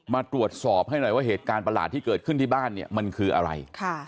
มาตรวจสอบให้หน่อยว่าเหตุการณ์ประหลาดที่เกิดขึ้นที่บ้านเนี่ยมันคืออะไร